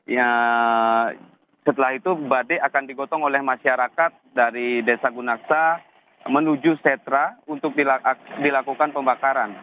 ya setelah itu batik akan digotong oleh masyarakat dari desa gunaksa menuju setra untuk dilakukan pembakaran